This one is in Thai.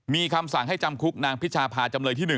มีคำสั่งให้จำคุกนางพิชาพาจำเลยที่๑